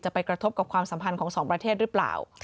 ไปกระทบกับความสัมพันธ์ของสองประเทศหรือเปล่า